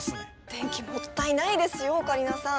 電気もったいないですよオカリナさん。